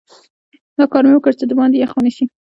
دا کار مې وکړ چې باندې یخ ونه شي.